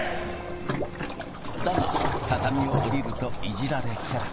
だが畳を降りるといじられキャラ。